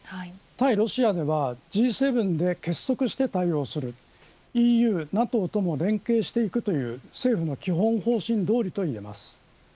対ロシアでは、Ｇ７で結束して対応するＥＵ、ＮＡＴＯとも連携していくという政府の基本方針どおりといえます。